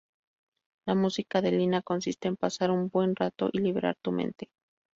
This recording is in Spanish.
La música de Inna consiste en pasar un buen rato y liberar tu mente.